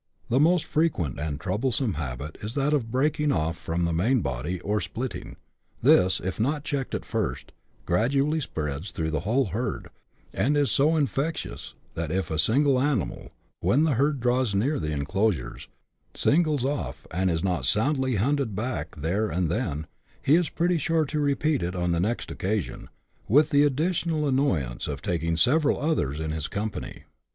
The most fre quent and troublesome habit is that of breaking off from the main body, or " splitting ;" this, if not checked at first, gradually spreads through the whole herd, and is so infectious, that if a single animal, when the herd draws near the enclosures, singles off, and is not soundly hunted back there and then, he is pretty sure to repeat it on the next occasion, with the additional annoy ance of taking several others in his company.